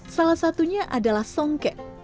salah satunya adalah songke